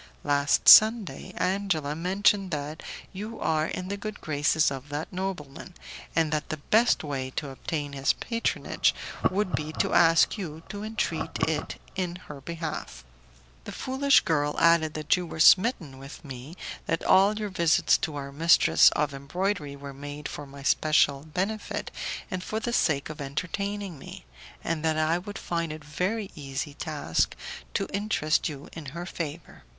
Last Sunday, Angela mentioned that you are in the good graces of that nobleman, and that the best way to obtain his patronage would be to ask you to entreat it in her behalf. The foolish girl added that you were smitten with me, that all your visits to our mistress of embroidery were made for my special benefit and for the sake of entertaining me, and that I would find it a very easy task to interest you in her favour.